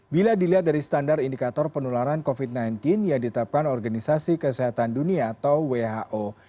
bila dilihat dari standar indikator penularan covid sembilan belas yang ditetapkan organisasi kesehatan dunia atau who